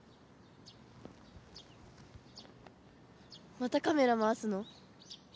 またカメラ回すの？